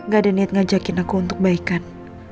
gak ada niat ngajakin aku untuk baikan